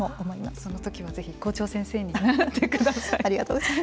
その時はぜひ校長先生になってください。